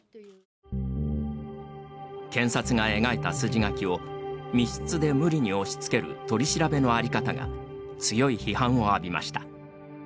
検察が描いた筋書きを密室で無理に押しつける取り調べのあり方が強い批判を浴びました。